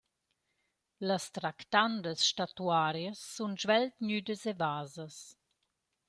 Las tractandas statutarias sun svelt gnüdas evasas.